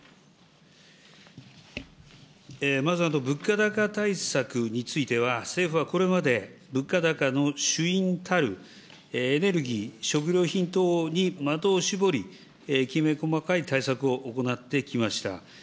まず物価高対策については、政府はこれまで、物価高の主因たるエネルギー、食料品等に的を絞り、きめ細かい対策を行ってきました。